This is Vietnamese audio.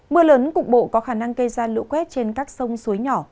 mưa lớn cục bộ có khả năng gây ra lũ quét trên các sông suối nhỏ